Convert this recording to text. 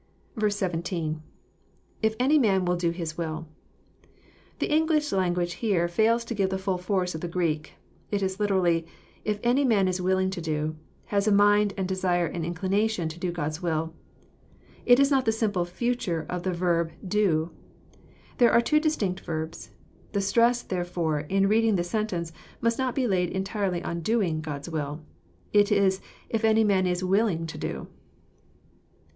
17. — llf any man wUl do his mil.'] The English language here fails to give the ftiU force of the Greek. It is literally, If any man is willing to do, — has a mind and desire and inclination to do God's will." It is not the simple future of the verb " do." There are two distinct verbs. The stress, therefore, in reading the sentence, must not be laid entirely on doing " God's will. It is <' if any man is willing to do."